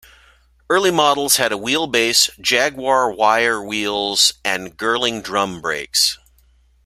Early models had a wheelbase, Jaguar wire wheels, and Girling drum brakes.